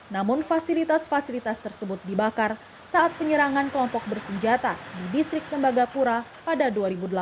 namun fasilitas fasilitas tersebut dibakar saat penyerangan kelompok bersenjata di distrik tembagapura pada dua ribu delapan belas